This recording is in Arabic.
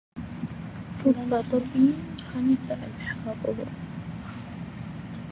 رب ظبي خنث ألحاظه